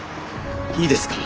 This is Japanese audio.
いいですか？